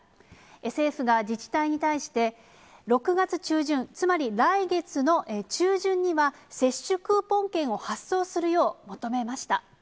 政府が自治体に対して、６月中旬、つまり来月の中旬には、接種クーポン券を発送するよう、求めました。